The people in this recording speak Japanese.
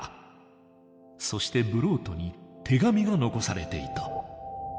そしてブロートに手紙が残されていた。